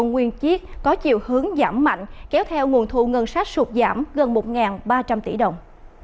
nguyên chiếc có chiều hướng giảm mạnh kéo theo nguồn thu ngân sách sụt giảm gần một ba trăm linh tỷ đồng